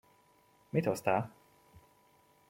Mit hoztál?